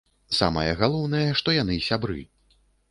Самае галоўнае, што яны сябры.